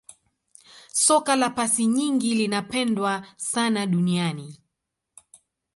soka la pasi nyingi linapendwa sana duniani